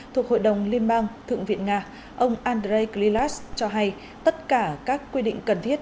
thuộc hội đồng liên bang thượng viện nga ông andrei glias cho hay tất cả các quy định cần thiết